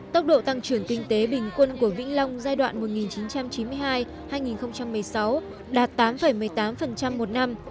tốc độ tăng trưởng kinh tế bình quân của vĩnh long giai đoạn một nghìn chín trăm chín mươi hai hai nghìn một mươi sáu đạt tám một mươi tám một năm